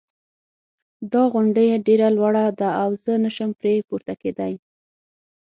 دا غونډی ډېره لوړه ده او زه نه شم پری پورته کېدای